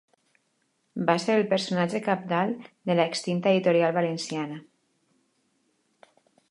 Va ser el personatge cabdal de l'extinta Editorial Valenciana.